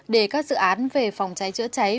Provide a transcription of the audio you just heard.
để các dự án về phòng cháy chữa cháy